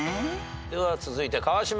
では続いて川島君。